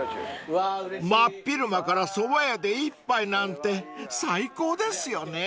［真っ昼間からそば屋で一杯なんて最高ですよね］